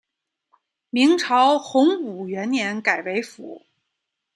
明朝洪武元年改为府。